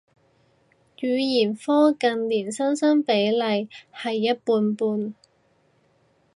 語言科近年新生比例係一半半